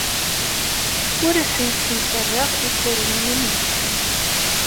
Ur asen-ssemsadeɣ ikeryunen-nsen.